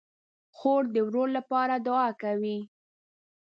خور د ورور لپاره دعا کوي.